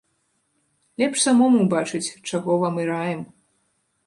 Лепш самому ўбачыць, чаго вам і раім.